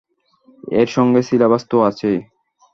এর সঙ্গে সিলেবাস তো আছেই।